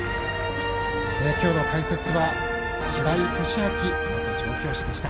今日の解説は白井寿昭元調教師でした。